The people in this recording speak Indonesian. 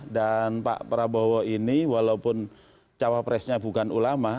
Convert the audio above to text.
dan pak prabowo ini walaupun cawapresnya bukan ulama